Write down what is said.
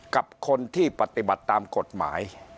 กับคนที่ปฏิบัติตามกฎหมาย